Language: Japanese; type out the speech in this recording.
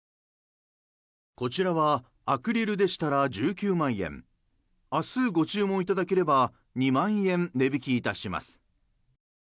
こちらはアクリルでしたら１９万円明日ご注文いただければ２万円値引きいたします。